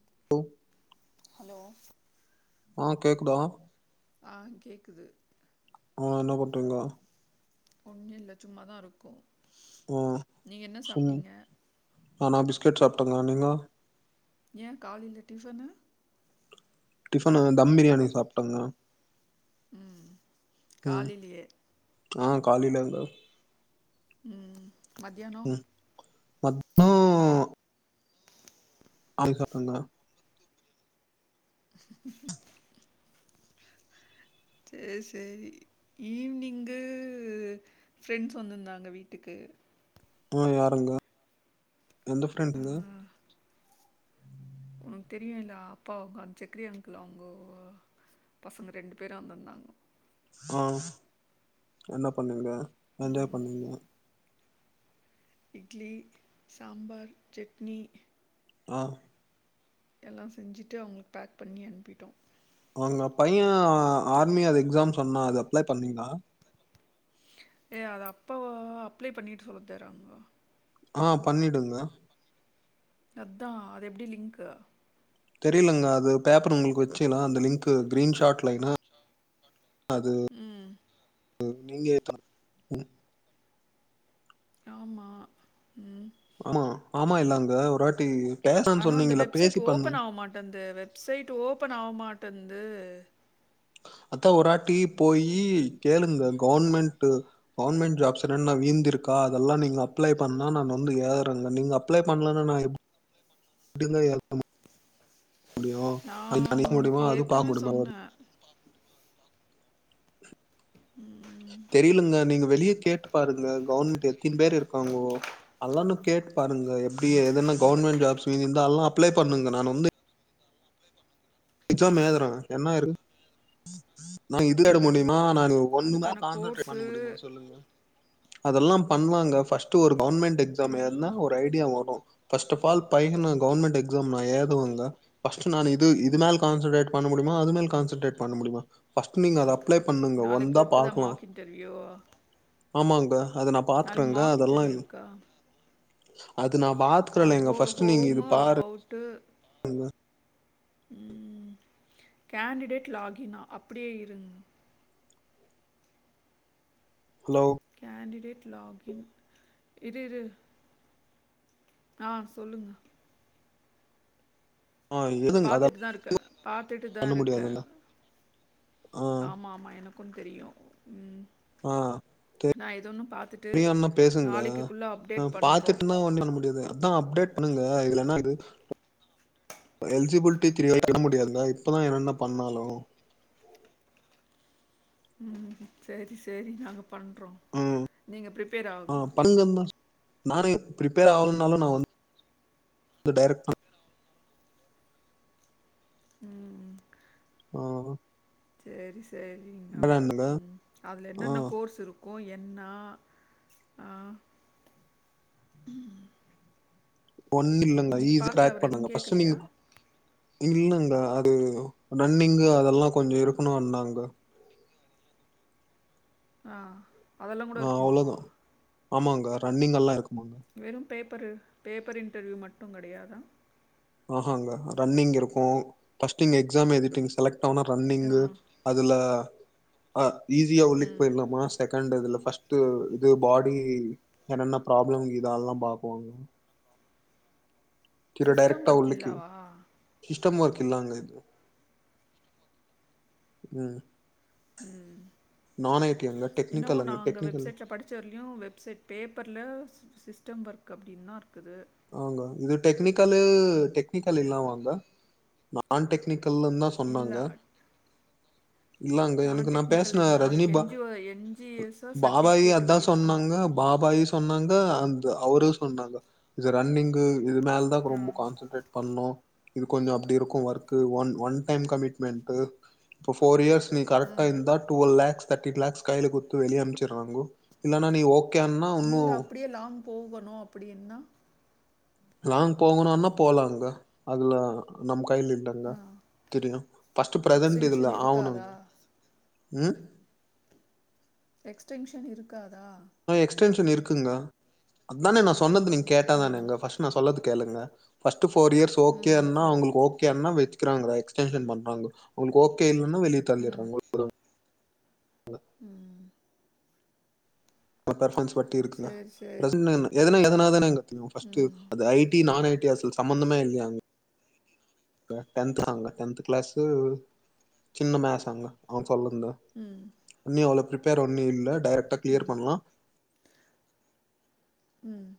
[inaudible] Hello ஆ கேக்குதா ஆ கேக்குது ஆ என்ன பண்றீங்கோ ஒன்னுல்ல சும்மதாருக்கோ ஆ நீங்க என்ன சாப்ட்டீங்க நானா பிஸ்கெட் சாப்டோங்கோ நீங்கோ ஏ காலைய்ல டிஃபனு டிஃபனு தம் பிரியாணி சாப்ட்டங்க ம் காலைலயே ஆ காலில அதா ம் ம் மதியானோ மத்னோ [unintelligible] [unintelligible] சேர் சேரி ஈவ்னிங்கு ஃப்ரெண்ட்ஸ் வந்துருந்தாங்க வீட்டுக்கு ம் யாருங்க எந்த ஆ ஃப்ரெண்டுங்க உனக்கு தெரியுல அப்பாக்கு அந்த [unintelligible] ஆங்கிள் அவுங்கோ பசங்க ரெண்டு பேரு வந்திருந்தாங்கோ ஆ என்ன பண்ணீங்க என்ஜாய் பண்ணீங்ளா இட்லி சாம்பார் சட்னி ஆ எல்லா செஞ்சுட்டு அவங்களுக்கு பேக் பண்ணி அனுப்பிட்டோ உங்க பைய ஆர்மி அது எக்ஸாம் சொன்னா அது அப்ளை பண்ணிங்ளா ஏய் அத அப்பொ அப்ளை பண்ணிட்டு சொல்ல தராங்கோ ஆ பண்ணிடுங்க அதா அது எப்டி லிங்க்கு தெரிலங்க அது பேப்பர் உங்களுக்கு வெச்சினா அந்த லிங்க்கு கிரீன்ஷாட் லைனா அது ம் நீங்க ஏத்தனு ஆமா ம் ஆமா ஆமா இல்லங்க ஒராட்டி ஆனா அந்த வெப்சைட் ஓபன் ஆவ மாட்டன்ந்து வெப்சைட் ஓபன் ஆவ மாட்டன்ந்து அதா ஒராட்டி போயி கேளுங்க கவன்மெண்ட்டு கவன்மெண்ட் ஜாப்ஸ் என்னன் வீந்திருக்கா அதெல்லா நீங்க அப்ளை பண்ணா நா வந்து ஏறேங்க நீங்க அப்ளை பண்லனா நா எப்டிங்க ஏல மு முடியு அது நெனைக்க முடியுமா அது பாக்க முடியுமா அ தெரிலங்க நீங்க வெளிய கேட்டு பாருங்க கவன்மெண்ட் எத்தின் பேரு இருக்காங்கோ அதலானு கேட்டு பாருங்க எப்டி எதன கவுன்மெண்ட் ஜாப்ஸ் மீந்தால்லா அப்ளை பண்ணுங்க நான் வந்து எக்ஸாம் ஏதுறே என்னய நா இது ஆய்ட முடியுமா நானு ஒண்ணுதா அதுக்கான கான்சன்ரேட் பண்ண கோர்ஸு முடியுமா சொல்லுங்க அதெல்லா பண்லாங்க ஃபஸ்ட்டு ஒரு கவர்மெண்ட் எக்ஸாம் எழுதுனா ஒரு ஐடியா வரு ஃபர்ஸ்ட் அஃப் ஆல் பயன நா கவன்மெண்ட் எக்ஸாம் நா ஏதுவங்க ஃபஸ்டு நான் இது இது நாள் கான்சன்ட்ரேட் பண்ண முடிமா அது மேல் கான்சன்ட்ரேட் பண்ண முடிமா ஃபஸ்ட் நீங்க அது அ ப்ளை பண்ணுங்க நாளைக்கு வந்தா இருக்குதா பாக்லா மார்க் இன்டர்வியூ ஆமாங்க அது நா நாளைக்கு பாத்துக்றங்க மார்க் அதெல்லா இன்டர்வியூ இல் இருக்கா அது நா பாத்துக்கறேலங்க ஃபஸ்டு நீங்க இது பாரு அவுட்டு ங்க ம் கேண்டிடேட் லாகினா அப்டியே இருங்க ஹலோ கேண்டிடேட் லாகின் இரு இரு ஆ சொல்லுங்க ஆ எதுங்க அதெல்லா பாத்துட்டுதா இருக்க பாத்துட்டுதா பண்ண இருக்க முடியாதுங்க ஆ ஆமா ஆமா எனக்கு தெரியு ம் ஆ நா ஏதொன்னு பாத்துட் அப்டே என்னா பேசுங்க்கா பண்றோம். பாத்துட்டுனா ஒன்னு பண்ண முடியாது எதுனா அப்டேட் பண்ணுங்க இல்லனா அது எலிஜிபிலிட்டி த்ரீய விட முடியாதுல இப்பதா என்னென பண்ணாலு ம் செரி செரி நாங்க பண்றோ ம் ஆ பண்ணுங்கன்தா நானே பிரிப்பேர் ஆகனுனாலு நா வந்து டெரக்டா ம் அ செரி செரிங்க என்னங்க ம் அதுல ஆ என்னென்ன கோர்ஸ் இருக் கு என்னா ஆ ஒன்னு இல்லங்க இன்னைக்கு ஈஸி பார்க்ல க்ரேக் அவர் பண்ணுங்க எதுவும் ஃபர்ஸ்ட் கேட்கலையா? நீங்க இல்லங்க அது ரன்னிங்கு அதெல்லா கொஞ்சொ இருக்குணுனாங்க அ ஆ அவ்ளோதா ஆமாங்க ரன்னிங் எல்லா இருக்குமா வெறு பேப்பரு பேப்பர் இன்டர்வியூ மட்டு கெடையாதா ஆஹாங்க ரன்னிங் இருக்கு பஸ்ட்டு இங்க எக்ஸாம் எழுதிட்டீங் செலக்ட் ஆனா ஆ. ரன்னிங்கு அதுல அ ஈஸியா உள்ளெக் ம். போயிர்லாமா செகண்ட் இதுல ஃபர்ஸ்ட்டு இது பாடி என்னென்ன ப்ராப்ளம் இதால்லா பாக்குவாங்க சிஸ்டம் வொர்க் உள்ளக்கே சிஸ்டம் வொர்க் இல்லாங்க ம் ம் நான் ஐட்டி அங்க டெக்னிகல் அங்க டெக்னிக்கல் ச்சர்லயு வெப்சைட் பேப்பர்ல சிஸ்டம் ஒர்க் அப்டின்னா இருக்குது ஆங்க இது டெக்னிக்கலு டெக்னிக்கல் இல்லாமாங்க நான் டெக்னிக்கல்லுன் தா இல்ல இல்லாங்க எனக்கு நான் நா டெக்னிக்கல் பேசுன இல்ல ரஜினி அதுக்கு பா என்ஜிஓ என்ஜிஎஸ்ஸோ பாபாயி சர்டிஃபிகேட் அதா இருக்கணும் சொன்னாங்க பாபாயி சொன்னாங்க அந்த அவரு சொன்னாங்க இது ரன்னிங்கு இது மேலதா ஆ ரொம்ப கான்சன்ட்ரேட் பண்ணோ இது கொஞ்சொ அப்டி இருக்கு work one one time commitment இப்போ ஃபோர் இயர்ஸ் நீ கரெக்டா இருந்தா டுவல் லேக்ஸ் தேர்டின் லேக்ஸ் கைய்ல குட்த்து வெளிய அம்ச்சறாங்கொ இல்லன்னா நீ ஓ இல்ல அப்டியே லாங் போகணு அப்டின்னா லாங்க் போகணுனா போலாங்க அதுல நம்ம கைய்ல இல் லங்க ஆ திரியு பஸ்ட்டு பிரெசன்ட் எக்ஸ்டென்ஷன் இதுல இருக்காதா ஆவனுங்க ம் எக்ஸ்டென்ஷன் இருக்காதா அ எக்ஸ்டென்ஷன் இருக்குங்க அதானே நா சொன்னது நீங் கேட்டாதானேங்க ஃபர்ஸ்ட்டு நா சொல்லது கேளுங்க ஃபஸ்ட்டு ஃபோர் இயர்ஸ் ம் ஓகேன்னா சரி அவுங்களுக்கு ஓ க்கேயானா வெச்சுக்றாங்க எக்ஸ்டென்ஷன் பண்றாங்க உங்ளுக் ஓகே இல்லன்னா வெளிய தள்ளிறாங்க ம் [unintelligible] வட்டி இருக்குல சரி சரி [unintelligible] ஃபஸ்ட் ம் அது ஐடி நான் ஐடி அசுல சம்மந்தமே இல்லையாங்க க டென்த்தாங்க டென்த் கிளாஸு சின்ன மேஸாங்க அவ சொல்லிந்து ம் ஒன்னி அவ்ளோ பிரிப்பேர் ஒன்னி இல்ல டேரக்டா க்ளியர் பண்லா ம்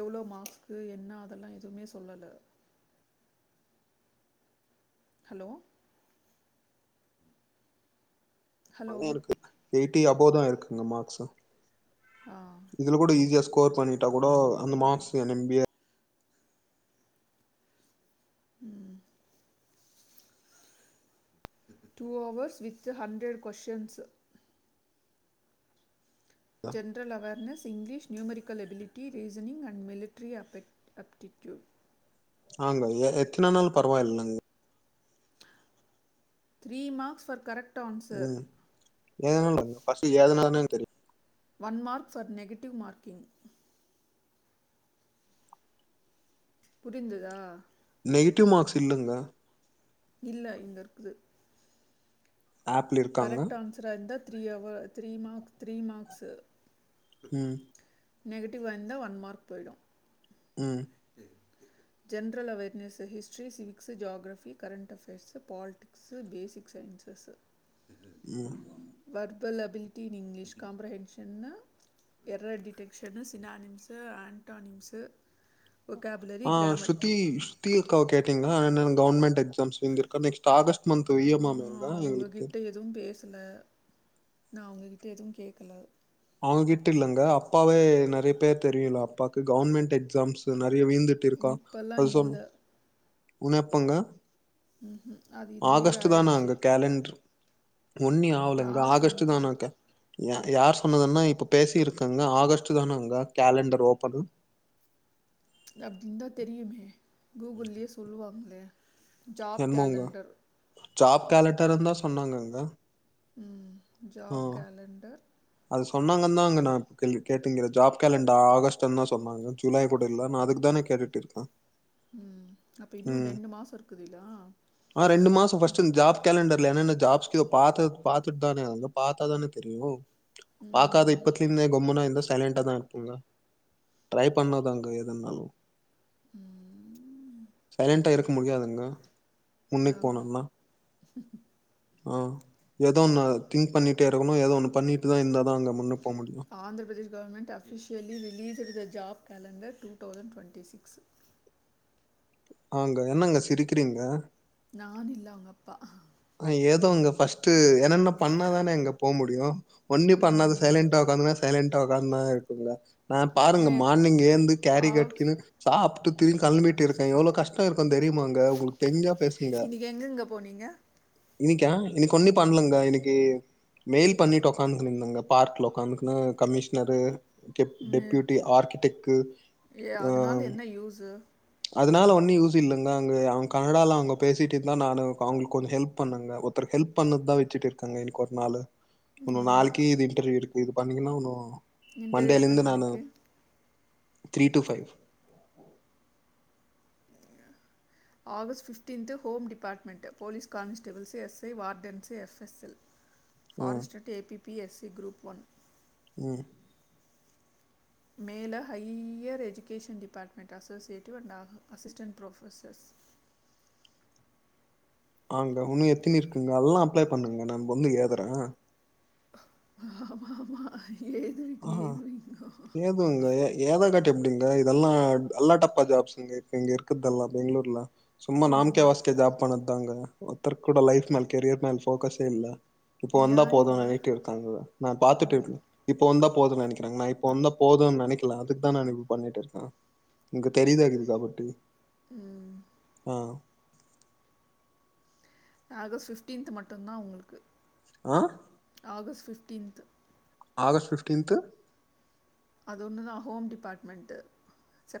எவ்ளோ மார்க்ஸ்கு என்ன அதெல்லா எதுமே சொல்லல ஹலோ ஹலோ அது இருக்கு எயிட்டி அபோ தா இருக்குங்க மார்க்ஸு அ இதுல கூட ஈஸிய ஸ்கோர் பண்ணிட்டா கூடொ அந்த marks [unintelligible] [inaudible] two hours with hundred questions general awareness English numerical ability reasoning and military அப அப்டிட்டியூ ஆங்க எத்தன நாள் பரவாயில்ல ங் த்ரீ மாக்ஸ் ஃபர் கரெக்ட் உம் எதனாலங்க ஃபர்ஸ்ட்டு ஏதனாலனு தெரியு one mark for negative marking புரிந்துதா நெகட்டிவ் மார்க்ஸ் இல்லங்க இல்ல இங்க இருக்குது ஆப்ல இருக்காங்க. கரெக்ட் ஆன்சரா இர்ந்தா த்ரீ அவர் த்ரீ மார்க்ஸ் த்ரீ மார்க்ஸு ம் நெகட்டிவ் வந்தா ஒன் மார்க் போயிடு ம் general awareness history civics geography current affairs politic mix basic sciences ம் வர்பல் எபிலிட்டி இன் இங்கிலீஷ் காம்ப்ரஹென்ஷன்னா எர்ர டிட்டெக்ஷனு சினானிம்ஸு ஆண்டானிம்ஸு ஆ ஸ்ருதி ஸ்ருதி அக்காவ கேட்டீங்ளா கவுன்மென்ண்ட் என்ன எக்ஸாம்ஸ் வந்துருக்க நெக்ஸ்ட் ஆகஸ்ட் மந்த் நா இ எம் ஆமேங்க எங்களுக்கு. அவங்ககிட்ட எதுவு பேசல நா அவங்ககிட்ட எதுவு கேட்கல அவங்ககிட்ட இல்லங்க அப்பாவே நெறைய பேர் தெரியல அப்பாக்கு கவுவர்மெண்டட் எக்ஸாம்ஸ் நெறைய வீந்து திருக்கா இப்போல்லாம் அசம் இல்லை உன்னப்பங்க அது இந்த இயர் ஆகஸ்ட் தா நான் ஆயிடுச்சு அங்க கேலண்ட்ரு ஒன்னி ஆவலங்க யார் ஆகஸ்டு சொன்னது தானாக்கே யார் சொன்னதுன்னா இப்போ பேசியிருக்கங்க ஆகஸ்ட் தானேங்க கேலண்டர் ஓப்பன் அப்டி இருந்தா தெரியிமே கூகுள்யே சொல்லுவாங்ளே என்மோங்க ஜாப் கேலண்டர் தா சொன்னாங்கங்க ம் ஆ ஜாப் கேலண்டர் அது சொன்னாங்கன் தா அங்க நா கேட்டுங்கிற ஜாப் கேலண்ட ஆகஸ்ட்ன்னு தா சொன்னாங்க ஜூலை கூட இல்ல நா அதுக்கு தானே கேட்டு ட்டு இருக்க ம் அப்போ இன்னும் ம் ரெண்டு மாதம் இருக்குதுல்ல ஆ ரெண்டு மாச ஃபஸ்ட் ஜாப் கேலண்டர்ல என்னன்ன ஜாப்ஷ்கு பாத்து பாத்துட்டு தானே பாத்தாதானே தெரியு பாக்காத ம் இப்பத்துளந்து கொம்முனா இருந்த சைலெண்டா தா இருப்போங்க ட்ரை பண்ணாதாங்க எதுனாலு ம் சைலண்டா இருக்க முடியாதுங்க முன்னைக்கு ஆஹா. போனோனா ஆ ஏதோ ஒன்னு திங்க் பண்ணிட்டே இருக்கணு ஏதோ ஒண்ணு பண்ணி தா இந்தா தா அங்க Andhra Pradesh government of usually வெளிய தெர்த job calendar two thousand twenty six ஆங்க என்னங்க சிரிக்கிறீங்க நானில்ல அவங்க அப்பா அ ஏதோங்க ஃபஸ்ட்டு என்னன்ன பண்ணாதானே அங்க போ முடியு ஒன்னி பண்ணாத ம். சைலன்டா உட்காந்துன சைலன்டா உக்க்காந்துன இருக்குங்க நா பாருங்க ஏ மார்னிங் ஏந்து கேரி ஆக்ஸ் கட்கின்னு சாப்ட்டு திரும்பி களம்பிட்டு இருக்கே எவ்ளோ கஷ்ட இருக்குனு தெரியுமாங்க உங்களுக்கு தெரிஞ்சா பேசுங்க எங்கெங்கே போனீங்க இனிக்கா இனிக்கு ஒன்னி பண்ணலங்க இனிக்கு மெய்ல் பண்ணிட்டு உக்காந்துக்கணுந்தாங்க பார்க்ல உ்காந்துக்ணு ம் கமிஷ்னரு கப் ம். டெப்யூட்டி ஆர்கிடெக்டு ஏ அதனால என்ன யூஸு அதனால ஒன்னு யூஸ் இல்லங்க அங்க அவங்க கனடால அவங்க பேசிட்டு இருந்தா நானு அவங்களுக்கு கொஞ்சோ ஹெல்ப் பண்ணுங்க ஒருத்தருக்கு ஹெல்ப் பண்ணதா விட்டுட்டு இருக்காங்க இனிக்கு ஒரு நாள் ஒன்னு நாளிக்கு இது இன்டர்வியூ இருக்கு இது பண்ணீங்கன்னா ஒன்னு இன்டர்வியூ எத்தனை மண்டேலந்து நானு மணிக்கு three to five August fifteenth home department police constables SI wardens FSL [inaudible] forest at ABP SC group one um மேல higher education department associative and uh assistant professors ஆங்க உன்னு எத்தினி இருக்குங்க எல்லா அப்ளை பண்ணுங்க நா வந்து ஏதுற ஆமா ஆமா எலுதுவிங்க எலுதுவிங்கோ ங்க ஏத காட்ட எப்டிங்க இதெல்லா எல்லா டப்பா ஜாப்ஸ் இங்க இப்ப இங்க இருக்குதல்லா பெங்களூர்ல சும்மா நாம்கே வாஸ்கே ஜாப் பண்ணதாங்க ஒருத்தரு கூட லைஃப் மேல் கெரியர் மேல் ஃபோக்கஸே இல்ல இப்ப வந்தா யா போதுங்க இல்லை நேட்டிவ் இருகாங்கல நா பாத்துட்டு இருக்க இப்ப வந்த போது நினைக்கிறாங்க நா இப்ப வந்த போதும்னு நனைக்கல அதுக்தா நான் இ பண்ணிட்டு இருக்கே [unintelligible] உம் ஆ ஆகஸ்ட் ஃபிஃப்டீன்த் மட்டுதா உங்களுக்கு ஆ ஆகஸ் ஃபிஃப்டீன்த் ஆகஸ்ட் ஃபிஃப்டீன்த்து அது ஒண்ணு தா home department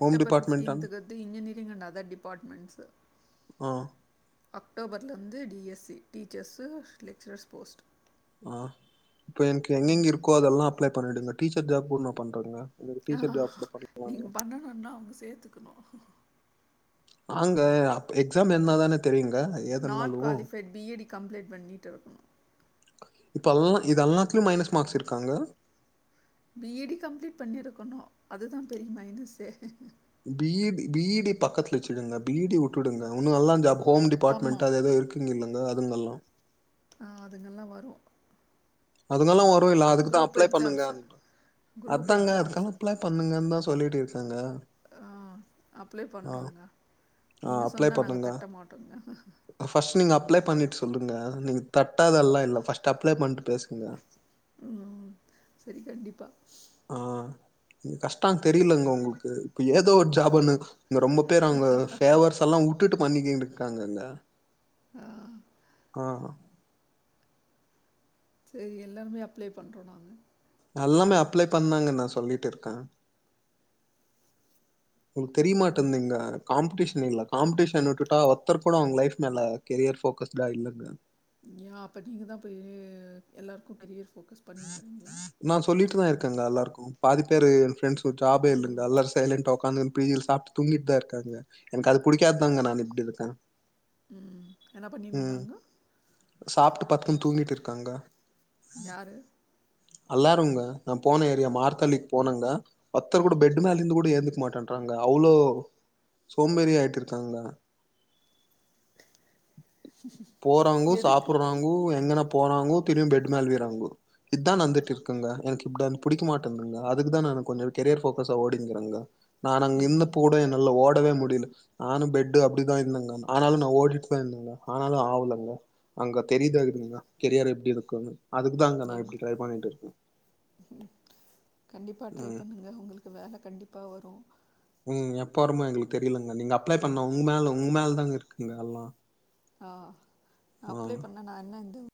home department and ஃபிஃப்டீன்துக்கு வந்து இன்ஜினியரிங் அண்ட் அதர் டிபார்ட்மெண்ட்ஸு ஆ அக்டோபர்லந்து டிஎஸ்சி டீச்சர்ஸு லெக்சரர்ஸ் போஸ்ட் ஆ இப்போ எனக்கு எங்கெங்க இருக்கோ அதெல்லா அப்ளை பண்ணிடுங்க டீச்சர் ஜாப் கூட் ந பண்றங்க ஆ நீங்க பண்ணணுனா அவ்ங்க சேத்துக்கணு ஆங்க ஆப் எக்ஸாம் என்னாதானே தெரியுங்க நாட் ஏதுனாலு குவாலிஃபைட பி ஏடு கம்ப்ளீட் பண்ணிட்டு இருக்கணும் இப்ப எல்லாம் இது எல்லாத்துலேயும் மைனஸ் மார்க்ஸ் இருக்காங்க பி ஏ டி கம்ப்ளீட் பண்ணிருக்கணும் அதுதான் பெரிய மைனஸு பீ பிடி பக்கத்தில் வச்சுங்க பிடி உட்டுங்கன்னும் இன்னு எல்லா ஹோம் டிபார்மன்டு ஆமாம் அது ஏதோ இருக்கு ப்பிங்க இல்லைங்க அதுங்கெல்லாம் ஆ அதுங்கல்லாம் வரும் அதுனலா வரும் இல்ல அதுக்குதான் குரூப் அப்ளை பண்ணுங்க எக்ஸாம்ஸு குரூப் அதாங்க எக்ஸாம்ஸு அதுக்கெல்லாம் அப்ளை பண்ணுங்கன்னு தான் சொல்லிட்டு இருக்காங்க ஆ அப்ளை ஆ பண்ணுறோங்க நீங்க சொன்னால் நாங்கள் தட்ட மாட்டோங்க ஃபாஸ்ட் நீங்க அப்ளை பண்ணிட்டு சொல்லுங்க நீங்க தட்டாதெல்லாம் இல்ல பர்ஸ்ட் அப்ளை பண்ணிட்டு பேசுங்க உம் சரி கண்டிப்பா ஆ இங்க கஷ்டம் தெரியலங்க உங்களுக்கு இப்ப ஏதோ ஒரு ஜாபன்னு இங்க ரொம்ப பேரங்க ஃபேவர்ஸ் எல்லா வுட்டுட்டு பண்ணிக்கிட் இருக்காங்கங்க ஆ ஆ சரி எல்லாமே அப்ளே பண்றோ நாங்க எல்லாமே அப்ளே பண்ணாங்கன் நா சொல்லிட்டு இருக்க உங்களுக்கு தெரியமாட்டேந்தீங்க காம்படிஷன் இல்ல காம்படிஷன் வுட்டுட்டா ஒருத்தர் கூட அவங்க லைஃப் மேல கெரியர் ஃபோகஷ்டா இல்லங்க ஏ அப்ப நீங்க தா போய் எல்லோருக்கு கரியர் ஃபோக்கஸ் பண்ணிங்கிறீங்களா நா சொல்லிட்டுதா இருக்கேங்க எல்லாருக்கு பாதி பேரு எ ஃப்ரண்ட் ஜாபே இல்லங்க எல்லார்ஸ் சைலண்டா உக்காந்து பியிர் சாப்ட்டு தூங்கிட்டுதா இருக்காங்க எனக்கு அது புடிக்காதாங்க நா இப்டி இருக்க ம். என்ன பண்ணின்ங்குறாங்க சாப்ட்டு பத்துனு தூங்கிட்டு இருக்காங்க யாரு அல்லாருங்க நா போன ஏரியா மார்த்தாலிக் போனங்க ஒருத்தர் கூட ம். பெட்டுமேலிந்து கூட ஏந்துக்க மாட்டன் ட்றாங்க அவ்ளோ சோம்பேறி ஆயிட்டு இருக்காங்க போறாங்கோ எதுக்கு? சாப்புறாங் உ எங்கனா போறாங்கோ திரும்பி பெட் மேழுவிறாங்க இதா நந்துட்டு இருக்குங்க எனக்கு இப்டினா புடிக்க மாட்டன்துங்க அதுக்குதான கொஞ்ச கரியர் ஃபோக்கஸா ஓடின்டுகறங்க நானு அங்க இருந்தப்ப கூட நல்லா ஓடவே முடில நானு பெட்டு அப்டிதா இருந்தங்க ஆநாலு நா ஓடி ந்தங்க ஆனாலு ஆவலங்க அங்க தெரியாதுங்கா கெரியர் எப்டி இருக்குன்னு அதுக்கு தாங்க நா இப்படி ட்ரை பண்ணிட்டு இருக்கே ம் கண்டிப்பாக ட்ரை ம் பண்ணுங்க உங்களுக்கு வேல கண்டிப்பா வரு ம் எப்ப வரமோ எங்களுக்கு தெரியலங்க நீங்க அப்ளை பண்ண உங்க மேல உங்க மேல தான்ங்க இருக்குங்க எல்லா ஆ ஆ அப்ளை பண்ண நா என்ன இந்த